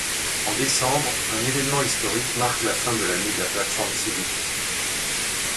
En décembre, un évènement historique marque la fin de l'année de la Plate-forme civique.